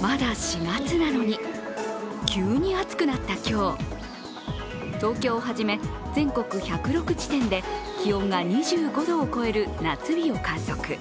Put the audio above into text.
まだ４月なのに急に暑くなった今日東京をはじめ、全国１０６地点で気温が２５度を超える夏日を観測。